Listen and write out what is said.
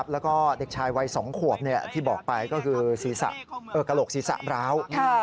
แล้วก็เด็กชายวัย๒ขวบที่บอกไปก็คือกระโหลกศีรษะร้าว